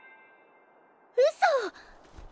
うそ！